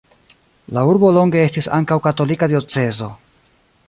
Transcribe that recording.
La urbo longe estis ankaŭ katolika diocezo.